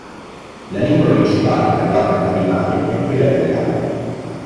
La lingua principale parlata a Carimate è quella Italiana.